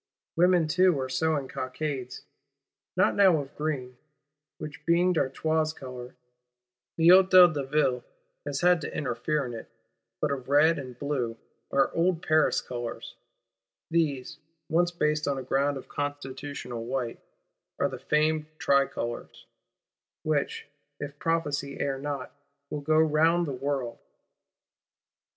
Women too are sewing cockades;—not now of green, which being D'Artois colour, the Hôtel de Ville has had to interfere in it; but of red and blue, our old Paris colours: these, once based on a ground of constitutional white, are the famed TRICOLOR,—which (if Prophecy err not) "will go round the world."